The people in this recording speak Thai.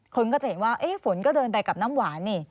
คนก็จะเห็นว่าฝนก็เดินไปกับน้ำหวานนี่